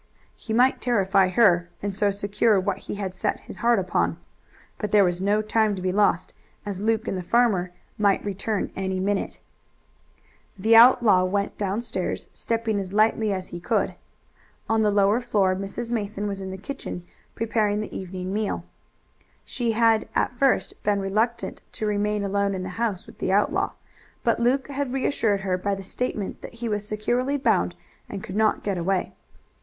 He might terrify her, and so secure what he had set his heart upon. But there was no time to be lost, as Luke and the farmer might return any minute. The outlaw went downstairs, stepping as lightly as he could. On the lower floor Mrs. Mason was in the kitchen preparing the evening meal. She had at first been reluctant to remain alone in the house with the outlaw, but Luke had reassured her by the statement that he was securely bound and could not get away.